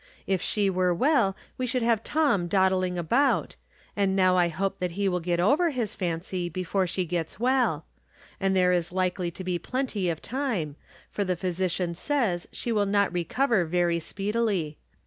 If she were well we should have Tom dawdling about, and now I hope that he will get over his fancy before she gets well ; and there is likely to be 316 From Different Standpoints. 317 plenty of time, for the pliysician says she will not recover very speedily.